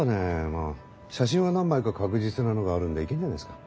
まあ写真は何枚か確実なのがあるんでいけんじゃないっすか？